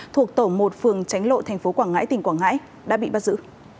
thuộc tổ một phường tránh lộ tp quảng ngãi tỉnh quảng ngãi đã bị bắt giữ